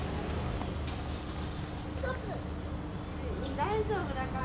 大丈夫だから。